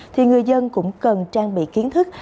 thì người dân cũng cần trang bị kiến thức